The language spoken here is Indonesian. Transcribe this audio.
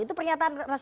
itu pernyataan resmi loh